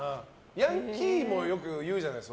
ヤンキーもよく言うじゃない。